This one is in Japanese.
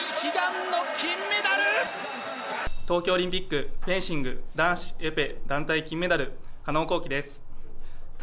東京オリンピック男子フェンシング、エペ団体、金メダル、加納虹輝です。